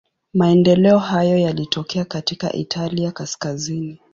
Maendeleo hayo yalitokea katika Italia kaskazini.